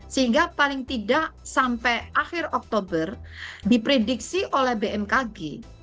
sehingga paling tidak sampai akhir oktober diprediksi oleh bmkg